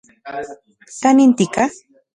¿Kanin tika?